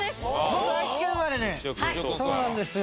僕愛知県生まれでそうなんですよ。